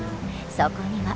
そこには。